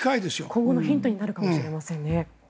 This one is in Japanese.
今後のヒントになるかもしれませんね。